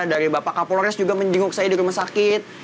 dari bapak kapolres juga menjenguk saya di rumah sakit